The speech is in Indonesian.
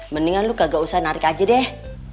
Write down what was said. mendingan lu kagak usah narik aja deh